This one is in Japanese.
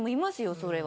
それは。